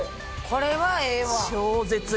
これはええわ。